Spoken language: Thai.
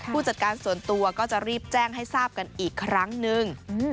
ผู้จัดการส่วนตัวก็จะรีบแจ้งให้ทราบกันอีกครั้งนึง